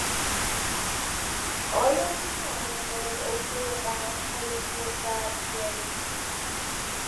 آیا میتوانی از عهدهی قرضهای خود بربیایی؟